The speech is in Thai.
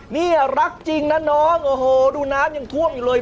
นี่รักจริงนะน้องโอ้โหดูน้ำยังท่วมอยู่เลย